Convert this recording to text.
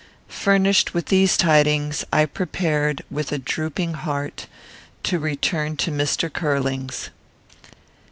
Furnished with these tidings, I prepared, with a drooping heart, to return to Mr. Curling's.